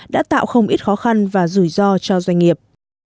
đã tạo không ít khó khăn và rủi ro cho doanh nghiệp